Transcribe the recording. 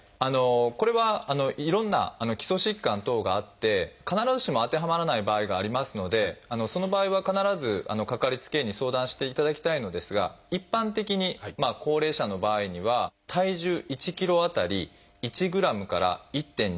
これはいろんな基礎疾患等があって必ずしも当てはまらない場合がありますのでその場合は必ずかかりつけ医に相談していただきたいのですが一般的に高齢者の場合には体重１ｋｇ当たり１ｇから１．２ｇ。